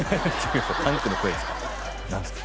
パンクの声っすか？